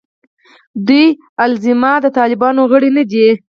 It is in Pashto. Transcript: دوی الزاماً د طالبانو غړي نه دي.